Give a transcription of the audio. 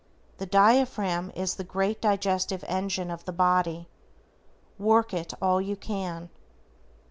The DIAPHRAGM is the great digestive engine of the body, work it all you can.